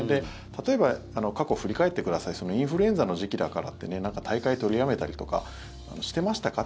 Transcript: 例えば過去振り返ってくださいインフルエンザの時期だからって大会取りやめたりとかしてましたか？